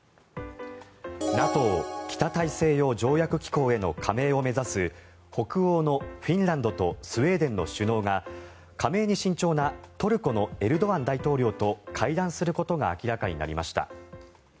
ＮＡＴＯ・北大西洋条約機構への加盟を目指す北欧のフィンランドとスウェーデンの首脳が加盟に慎重なトルコのエルドアン大統領と会談することが明らかになりました。